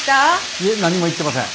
いえ何も言ってません。